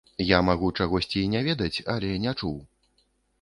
Я магу чагосьці і не ведаць, але не чуў.